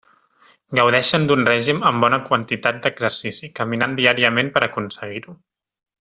Gaudeixen d'un règim amb bona quantitat d'exercici, caminant diàriament per aconseguir-ho.